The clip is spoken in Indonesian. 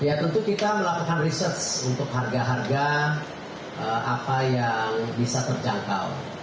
ya tentu kita melakukan research untuk harga harga apa yang bisa terjangkau